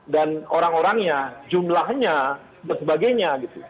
dan orang orangnya jumlahnya dan sebagainya